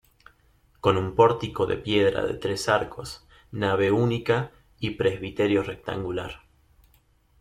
Con un pórtico de piedra de tres arcos, nave única, y presbiterio rectangular.